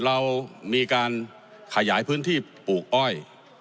เรามีการขยายพื้นที่ปลูกอ้อย